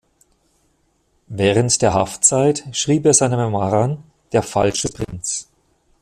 Während der Haftzeit schrieb er seine Memoiren "Der falsche Prinz.